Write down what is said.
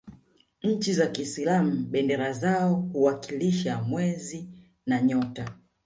nchi za kiislam bendera zao huwakilisha mwezi na nyota